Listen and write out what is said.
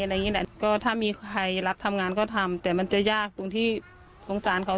อะไรอย่างนี้แหละก็ถ้ามีใครรับทำงานก็ทำแต่มันจะยากตรงที่สงสารเขา